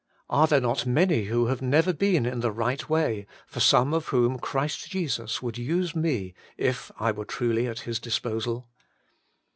Are there not many who have never been in the right way, for some of whom Christ Jesus would use me, if I were truly at His disposal